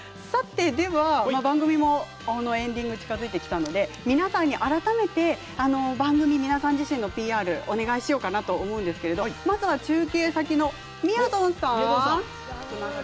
では、番組もエンディング近づいてきたので皆さんに改めて番組、皆さん自身のＰＲをお願いしようかなと思うんですけどまずは中継先の、みやぞんさん。